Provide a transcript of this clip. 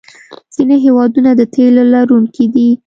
ځینې هېوادونه د تیلو لرونکي دي.